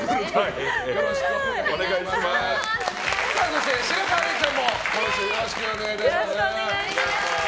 そして、白河れいちゃんも今週もよろしくお願いします。